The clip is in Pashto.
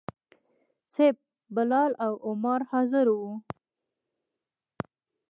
صیب، بلال او عمار حاضر وو.